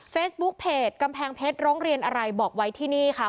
เฟซบุ๊คเพจกำแพงเพชรร้องเรียนอะไรบอกไว้ที่นี่ค่ะ